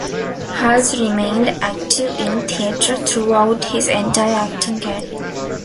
Hulce remained active in theater throughout his entire acting career.